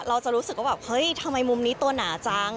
เราจะรู้สึกว่าแบบเฮ้ยทำไมมุมนี้ตัวหนาจัง